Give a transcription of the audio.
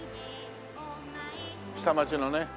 下町のね